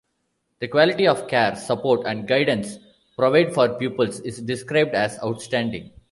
The quality of care, support and guidance provide for pupils is described as outstanding.